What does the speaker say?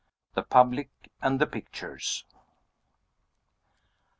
THE PUBLIC AND THE PICTURES.